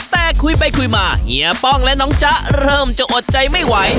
แต่คุยไปคุยมาเฮียป้องและน้องจ๊ะเริ่มจะอดใจไม่ไหว